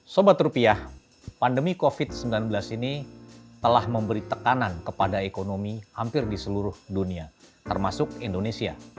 sobat rupiah pandemi covid sembilan belas ini telah memberi tekanan kepada ekonomi hampir di seluruh dunia termasuk indonesia